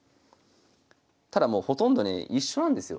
ただもうほとんどね一緒なんですよ。